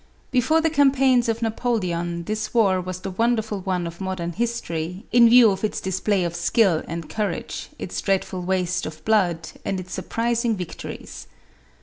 Before the campaigns of Napoleon, this war was the wonderful one of modern history, in view of its display of skill and courage, its dreadful waste of blood, and its surprising victories.